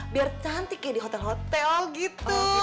biar cantik ya di hotel hotel gitu